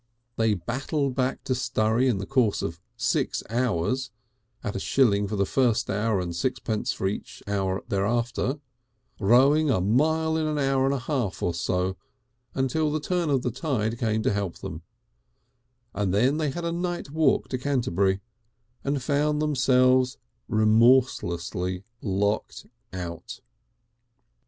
They battled back to Sturry in the course of six hours (at a shilling the first hour and six pence for each hour afterwards) rowing a mile in an hour and a half or so, until the turn of the tide came to help them, and then they had a night walk to Canterbury, and found themselves remorselessly locked out.